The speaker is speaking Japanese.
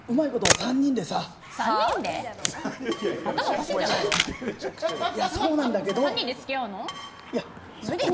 ３人で付き合うの。